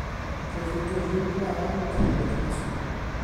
Caiff ei gyfri'n bla mewn caeau cotwm.